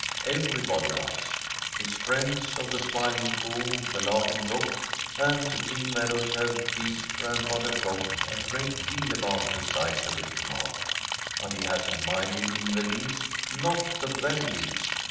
Everybody does. His friends of the Smiling Pool, the Laughing Brook, and the Green Meadows have teased Grandfather Frog a great deal about the size of his mouth, but he hasn't minded in the least, not the very least.